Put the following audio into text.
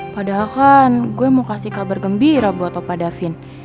padahal kan gue mau kasih kabar gembira buat opa devin